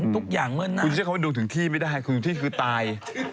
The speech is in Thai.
ทุกอย่างเมื่อหน้าคุณจะเชื่อเขาไม่ดูถึงที่ไม่ได้ถึงที่คือตาย